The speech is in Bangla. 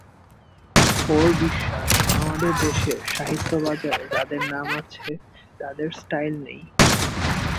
ওর বিশ্বাস, আমাদের দেশের সাহিত্যবাজারে যাদের নাম আছে তাদের স্টাইল নেই।